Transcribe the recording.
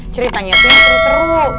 ceritanya itu yang seru seru